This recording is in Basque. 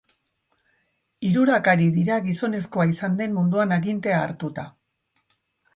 Hirurak ari dira gizonezkoena izan den munduan agintea hartuta.